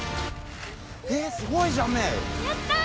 えっすごいじゃんメイ。